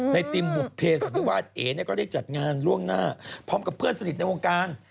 ในทีมกวัดเอ๋ก็ได้จัดงานล่วงหน้าพร้อมกับเพื่อนสนิทในวงกลาง